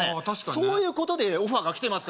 そういうことでオファーが来てます